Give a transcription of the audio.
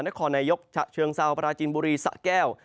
นครนายกชะเชืองเหราบราชินบุรีซะแก้ว